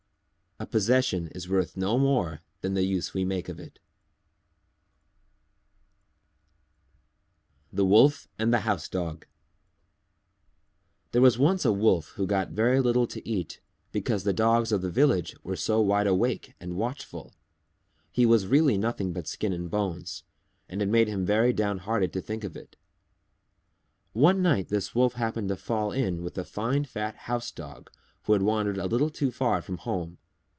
A possession is worth no more than the use we make of it. THE WOLF AND THE HOUSE DOG There was once a Wolf who got very little to eat because the Dogs of the village were so wide awake and watchful. He was really nothing but skin and bones, and it made him very downhearted to think of it. One night this Wolf happened to fall in with a fine fat House Dog who had wandered a little too far from home.